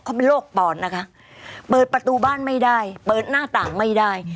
เขาเป็นโรคปอดนะคะเปิดประตูบ้านไม่ได้เปิดหน้าต่างไม่ได้